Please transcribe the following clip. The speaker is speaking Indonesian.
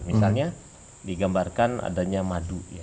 misalnya digambarkan adanya madu